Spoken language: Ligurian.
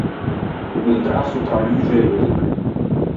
O contrasto tra luxe e ombre.